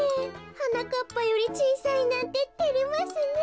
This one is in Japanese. はなかっぱよりちいさいなんててれますねえ。